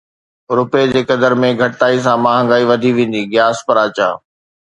رپئي جي قدر ۾ گهٽتائي سان مهانگائي وڌي ويندي، غياث پراچا